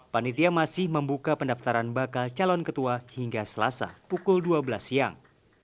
panitia masih membuka pendaftaran bakal calon ketua hingga selasa pukul dua belas siang